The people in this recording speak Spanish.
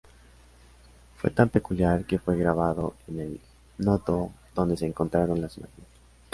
Fue tan peculiar que fue grabado en el No-Do, donde se encontraron las imágenes.